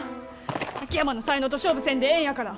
秋山の才能と勝負せんでええんやから！